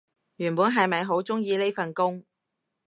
原本係咪好鍾意呢份工